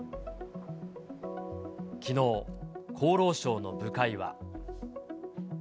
きのう、厚労省の部会は。